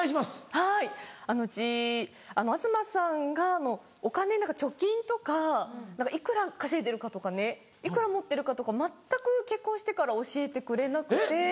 はいうち東さんがお金何か貯金とかいくら稼いでるかとかねいくら持ってるかとか全く結婚してから教えてくれなくて。